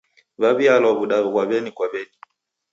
W'aw'ialwa w'uda ghwa w'eni kwa w'eni.